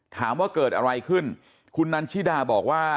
ถามว่าเกิดอะไรขึ้นคุณนันชิดาบอกว่า